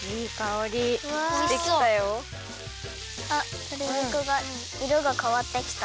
あっとり肉がいろがかわってきた。